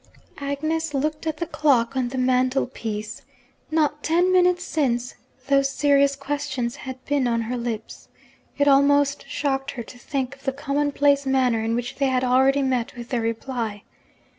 Agnes looked at the clock on the mantel piece. Not ten minutes since, those serious questions had been on her lips. It almost shocked her to think of the common place manner in which they had already met with their reply.